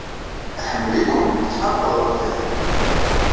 Iḥemmel-iken. Tḥeqqeɣ ɣef waya.